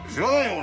俺。